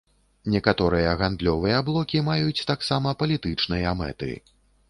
Некаторыя гандлёвыя блокі маюць таксама палітычныя мэты.